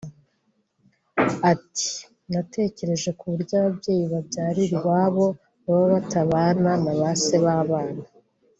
Ati “Natekereje ku buryo ababyeyi babyarira iwabo baba batabana na ba se b’abana